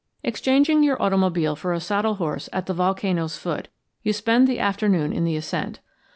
Exchanging your automobile for a saddle horse at the volcano's foot, you spend the afternoon in the ascent.